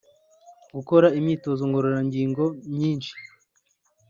Gukora imyitozo ngororangingo myinshi